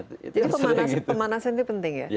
jadi pemanasan itu penting ya